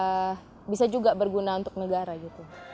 prestasi yang farah capai ini bisa juga berguna untuk negara gitu